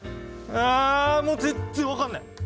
あもう全然分かんない！